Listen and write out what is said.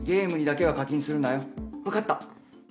わかった。